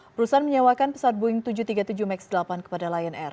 perusahaan menyewakan pesawat boeing tujuh ratus tiga puluh tujuh max delapan kepada lion air